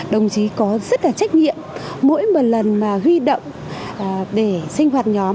đồng chí có rất là trách nhiệm mỗi lần mà ghi động để sinh hoạt nhóm